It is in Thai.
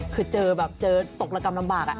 คือเจอแบบเจอตกระกำลำบาก